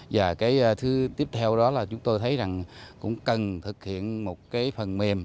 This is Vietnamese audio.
và cái thứ tiếp theo đó là chúng tôi thấy rằng cũng cần thực hiện một cái phần mềm